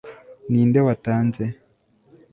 Ninde watanze